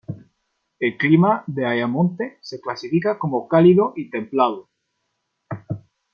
El clima de Ayamonte se clasifica como cálido y templado.